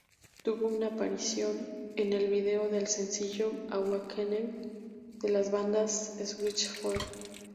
Tuvo una aparición en el vídeo del sencillo "Awakening" de la banda Switchfoot.